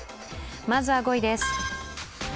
まずは５位です。